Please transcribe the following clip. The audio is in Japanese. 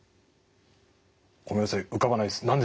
ごめんなさい浮かばないです。何でしょう？